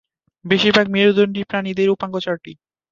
বেশিরভাগ মেরুদণ্ডী প্রাণীদের উপাঙ্গ চারটি।